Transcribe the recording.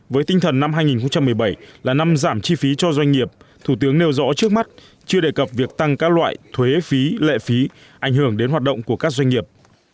với tinh thần năm hai nghìn một mươi bảy là năm giảm chi phí cho doanh nghiệp thủ tướng nêu rõ trước mắt chưa đề cập việc tăng các loại thuế phí lệ phí ảnh hưởng đến hoạt động của các doanh nghiệp